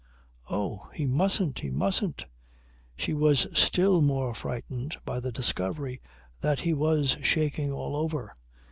"Oh! He mustn't, he mustn't." She was still more frightened by the discovery that he was shaking all over.